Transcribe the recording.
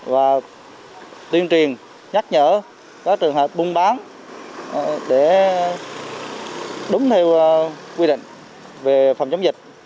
và tuyên truyền nhắc nhở các trường hợp buôn bán để đúng theo quy định về phòng chống dịch